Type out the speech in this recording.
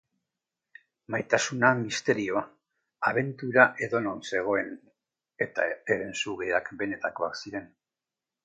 Maitasuna misterioa, abentura edonon zegoen... eta herensugeak benetakoak ziren.